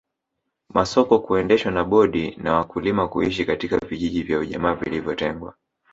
Masoko kuendeshwa na bodi na wakulima kuishi katika vijiji vya ujamaa vilivyotengwa